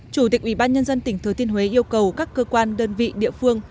chủ tịch ubnd tỉnh thừa thiên huế yêu cầu các cơ quan đơn vị địa phương